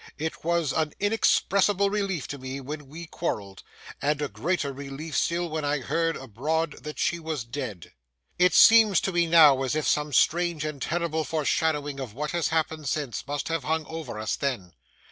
It was an inexpressible relief to me when we quarrelled, and a greater relief still when I heard abroad that she was dead. It seems to me now as if some strange and terrible foreshadowing of what has happened since must have hung over us then.